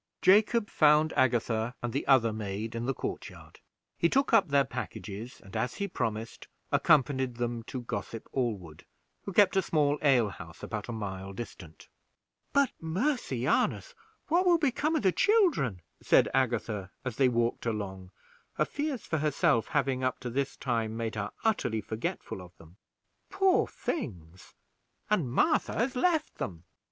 Jacob found Agatha and the other maid in the court yard; he took up their packages, and, as he promised, accompanied them to Gossip Allwood, who kept a small ale house about a mile distant. "But, mercy on us! what will become of the children?" said Agatha, as they walked along, her fears for herself having up to this time made her utterly forgetful of them. "Poor things! and Martha has left them."